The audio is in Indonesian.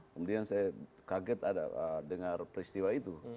kemudian saya kaget ada dengar peristiwa itu